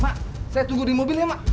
mak saya tunggu di mobil ya mak